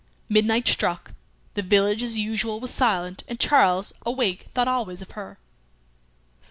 Midnight struck. The village as usual was silent, and Charles, awake, thought always of her.